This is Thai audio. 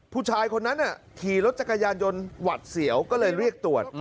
ผู้ชายคนนั้นขี่รถจักรยานยนต์หวัดเสียวก็เลยเรียกตรวจ